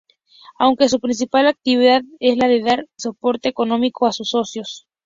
Aunque su principal actividad es la de dar soporte económico a sus socios.